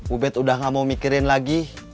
ubed udah gak mau mikirin lagi